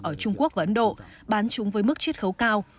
ở trung quốc và ấn độ bán chúng với mức chiết khấu cao